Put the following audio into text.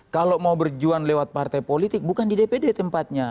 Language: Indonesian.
kalau mau berjuang lewat partai politik bukan di dpd tempatnya